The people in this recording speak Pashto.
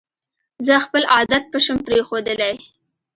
زه خپل عادت پشم پرېښودلې